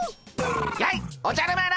やいおじゃる丸！